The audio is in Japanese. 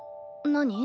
何？